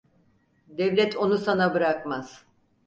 Devlet onu sana bırakmaz.